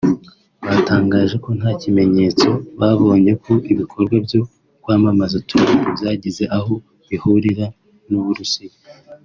Batangaje ko nta kimenyetso babonye ko ibikorwa byo kwamamaza Trump byagize aho bihurira n’u Burusiya